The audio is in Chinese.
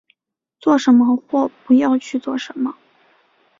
做什么或不要去做什么